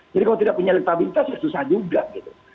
jadi kalau tidak punya elektabilitas itu susah juga gitu